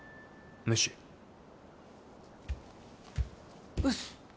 メシうっす